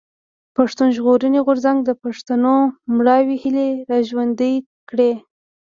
پښتون ژغورني غورځنګ د پښتنو مړاوي هيلې را ژوندۍ کړې.